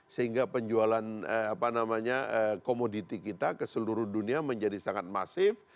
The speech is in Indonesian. sehingga penjualan komoditi kita ke seluruh dunia menjadi sangat masif